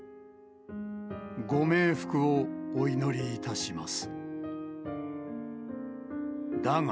ご冥福をお祈りいたします。